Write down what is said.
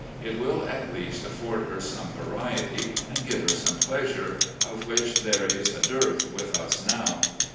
It will, at least, afford her some variety, and give her some pleasure, of which there is a dearth with us now.